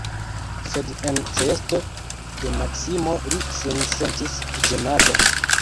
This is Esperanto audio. Sed en ĉeesto de Maksimo li sin sentis ĝenata.